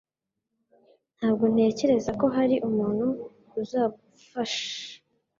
Ntabwo ntekereza ko hari umuntu uzagufasha